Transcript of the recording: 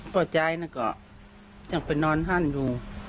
พ่อใจก็จะไปนอนห้านอยู่